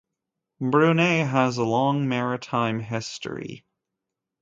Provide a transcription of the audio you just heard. Brunei has a long maritime history.